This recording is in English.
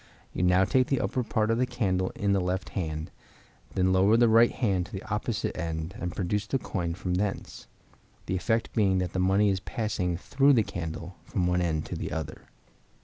You now take the upper part of the candle in the left hand; then lower the right hand to the opposite end and produce the coin from thence, the effect being that the money is passed through the candle, from one end to the other.